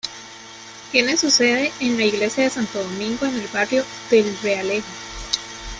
Tiene su sede en la iglesia de Santo Domingo, en el barrio del Realejo.